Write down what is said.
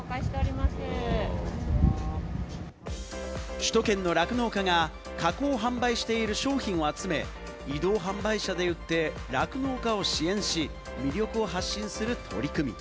首都圏の酪農家が加工・販売している商品を集め、移動販売車で売って酪農家を支援し、魅力を発信する取り組み。